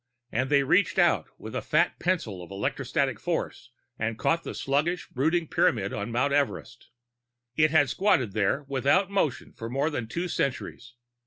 And they reached out, with a fat pencil of electrostatic force and caught the sluggish, brooding Pyramid on Mount Everest. It had squatted there without motion for more than two centuries.